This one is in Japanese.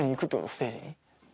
ステージに？